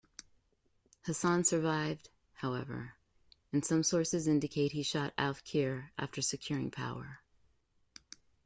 Hassan survived, however, and some sources indicate he shot Oufkir after securing power.